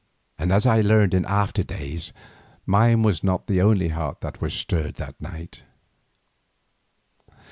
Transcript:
And as I learned in after days mine was not the only heart that was stirred that night.